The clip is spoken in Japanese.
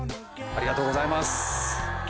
ありがとうございます。